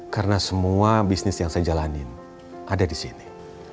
karena semua bisnis yang saya jalanin ada di sini